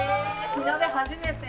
初めて。